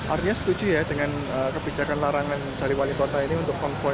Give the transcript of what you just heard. arya setuju ya dengan kebijakan larangan dari wali kota ini untuk konvoy